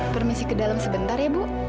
permisi ke dalam sebentar ya bu